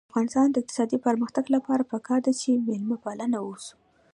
د افغانستان د اقتصادي پرمختګ لپاره پکار ده چې مېلمه پال اوسو.